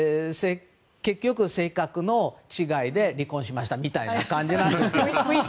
結局、性格の違いで離婚しましたみたいな感じなんですが。